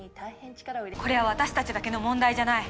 これは私たちだけの問題じゃない。